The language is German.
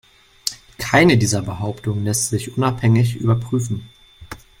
Keine dieser Behauptungen lässt sich unabhängig überprüfen.